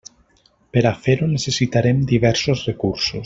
Per a fer-ho necessitarem diversos recursos.